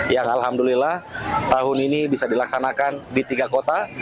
yang alhamdulillah tahun ini bisa dilaksanakan di tiga kota